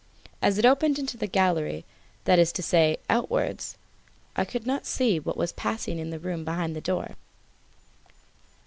As it opened into the gallery, that is to say, outwards, I could not see what was passing in the room behind the door.